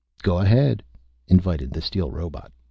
"Go ahead," invited the steel robot.